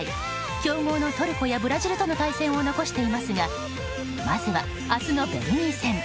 強豪のトルコやブラジルとの対戦を残していますがまずは明日のベルギー戦。